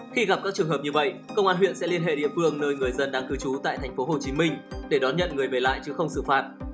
khi gặp các trường hợp như vậy công an huyện sẽ liên hệ địa phương nơi người dân đang cư trú tại tp hcm để đón nhận người về lại chứ không xử phạt